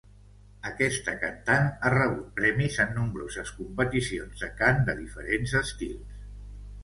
Aquesta cantant ha rebut premis en nombroses competicions de cant de diferents estils.